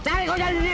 cari kau jalan sendiri